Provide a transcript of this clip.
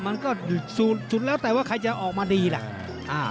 มันก็สุดแล้วแต่ว่าใครจะออกมาดีล่ะ